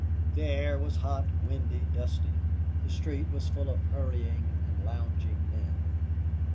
The air was hot, windy, dusty. The street was full of hurrying and lounging men.